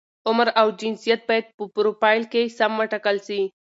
عمر او جنسیت باید په فروفیل کې سم وټاکل شي.